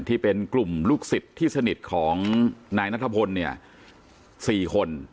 ที่เป็นกลุ่มลูกศิษย์ที่สนิทของนายนัทพลเนี่ย๔คน